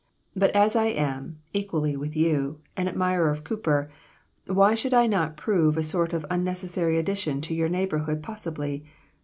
But as I am, equally with you, an admirer of Cowper, why should I not prove a sort of unnecessary addition to your neighborhood possibly?